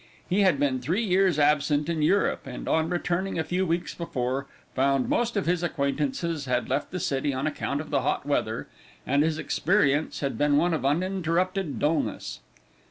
He had been three years absent in Europe, and on returning a few weeks before, found most of his acquaintances had left the city on account of the hot weather, and his experience had been one of uninterrupted dullness.